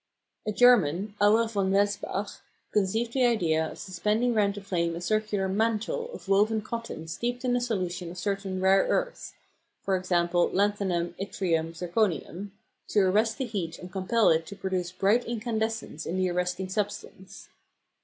A German, Auer von Welsbach, conceived the idea of suspending round the flame a circular "mantle" of woven cotton steeped in a solution of certain rare earths (e.g. lanthanum, yttrium, zirconium), to arrest the heat and compel it to produce bright incandescence in the arresting substance.